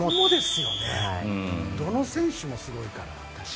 どの選手もすごいからね。